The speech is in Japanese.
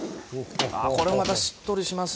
あこれまたしっとりしますね。